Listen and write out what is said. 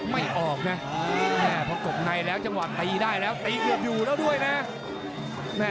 ไม่ออกนะพอกบในแล้วจังหวะตีได้แล้วตีเกือบอยู่แล้วด้วยนะ